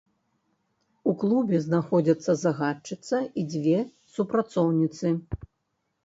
У клубе знаходзіцца загадчыца і дзве супрацоўніцы.